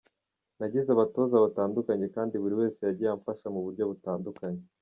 Nagize abatoza batandukanye kandi buri wese yagiye amfasha mu buryo butandukanye.